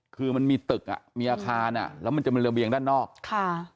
คือมันมีตึกอ่ะมีอาคารอ่ะแล้วมันจะมีระเบียงด้านนอกค่ะ